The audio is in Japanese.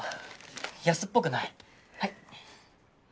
安っぽくないはい。